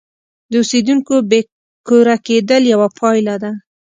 د اوسیدونکو بې کوره کېدل یوه پایله ده.